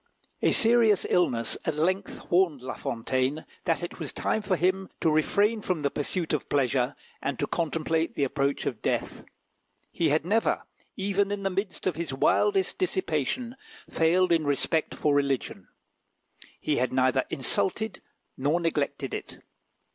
A serious illness at length warned La Fontaine that it was time for him to refrain from the pursuit of pleasure, and to contemplate the approach of death. He had never, even in the midst of his wildest dissipation, failed in respect for religion: he had neither insulted nor neglected it.